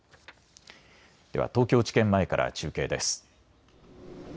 では東京地検前から中継です。